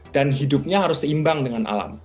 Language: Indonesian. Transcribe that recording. dan hidupnya harus seimbang dengan alam